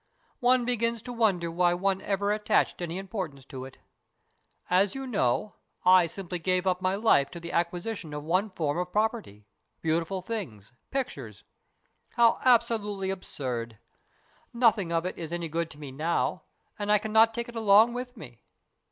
One begins to wonder why one ever attached any importance to it. As you know, I simply gave up my life to the acquisition of one form ol property beautiful things pictures. How absolutely absurd ! Nothing of it is any good to me now, and I cannot take it along with me.